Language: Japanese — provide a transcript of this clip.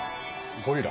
ゴリラ？